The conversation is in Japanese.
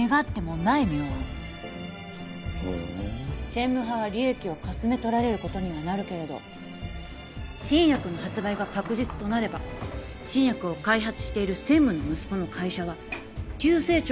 専務派は利益をかすめとられることにはなるけれど新薬の発売が確実となれば新薬を開発している専務の息子の会社は急成長を遂げることになる